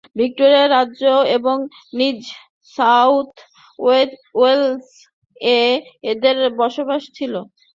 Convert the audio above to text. Victoria রাজ্য এবং New South Wales এ এদের বসবাস ছিল।